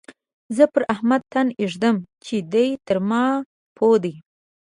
زه پر احمد تن اېږدم چې دی تر ما پوه دی.